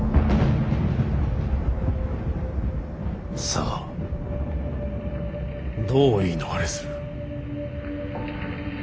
さあどう言い逃れする。